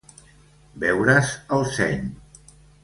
Beure's el seny.